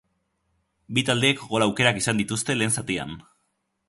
Bi taldeek gol aukerak izan dituzte lehen zatian.